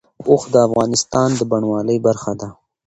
اوښ د افغانستان د بڼوالۍ برخه ده.